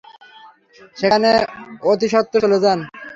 সেখানে অতিস্বত্ত্বর চলে যান।